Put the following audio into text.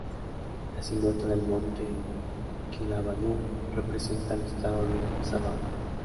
La silueta del Monte Kinabalu representa al Estado de Sabah.